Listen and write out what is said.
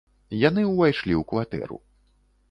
Яны ўвайшлі ў кватэру.